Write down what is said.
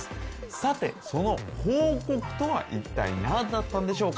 さて、その報告とはいったい何だったんでしょうか。